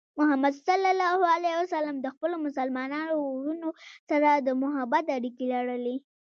محمد صلى الله عليه وسلم د خپلو مسلمانو وروڼو سره د محبت اړیکې لرلې.